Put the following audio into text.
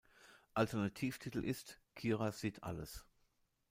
Alternativtitel ist "Kira sieht alles.